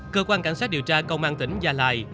cơ quan cảnh sát điều tra công an tỉnh gia lai